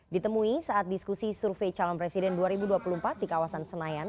ditemui saat diskusi survei calon presiden dua ribu dua puluh empat di kawasan senayan